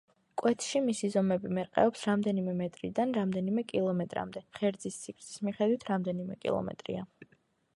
კვეთში მისი ზომები მერყეობს რამდენიმე მეტრიდან, რამდენიმე კილომეტრამდე; ღერძის სიგრძის მიხედვით რამდენიმე კილომეტრია.